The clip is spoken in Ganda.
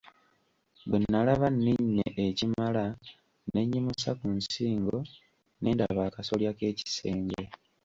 Bwe nnalaba nninnye ekimala ne nnyimusa ku nsingo ne ndaba akasolya k'ekisenge.